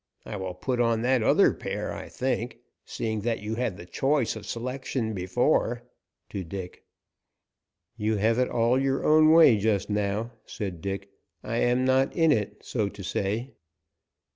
I will put on that other pair, I think, seeing that you had the choice of selection before," to Dick. "You have it all your own way, just now," said Dick. "I am not in it, so to say."